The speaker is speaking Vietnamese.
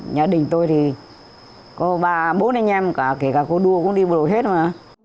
gia đình tôi thì có ba bốn anh em cả kể cả cô đua cũng đi bộ hết mà